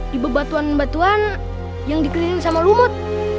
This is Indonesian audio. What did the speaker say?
di bebatuan batuan yang dikeliling sama lumut